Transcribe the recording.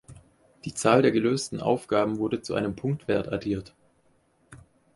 Die Zahl der gelösten Aufgaben wurde zu einem Punktwert addiert.